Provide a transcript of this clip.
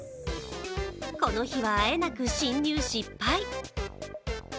この日は、あえなく侵入失敗。